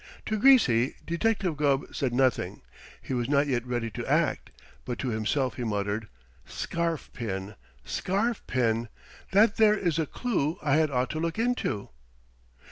To Greasy, Detective Gubb said nothing. He was not yet ready to act. But to himself he muttered: "Scarf pin scarf pin. That there is a clue I had ought to look into."